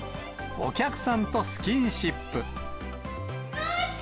お客さんとスキンシップ。